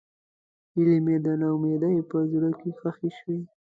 هیلې مې د نا امیدۍ په زړه کې ښخې شوې.